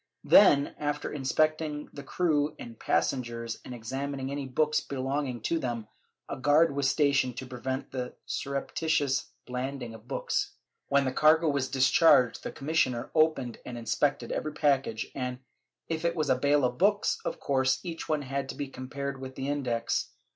Then, after inspecting the crew and passengers and examining any books belonging to them, a guard was stationed to prevent the surreptitious landing of books. When the cargo was discharged, the commissioner opened and inspected every package and, if it was a bale of books, of course each one had to be compared with the Index.